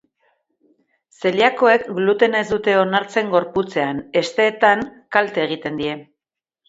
Zeliakoek, glutena ez dute onartzen, gorputzean, hesteetan klate egiten die.